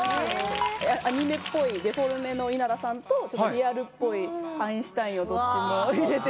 アニメっぽいデフォルメの稲田さんとリアルっぽいアインシュタインをどっちも入れて。